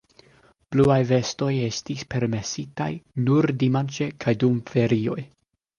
Bluaj vestoj estis permesitaj nur dimanĉe kaj dum ferioj.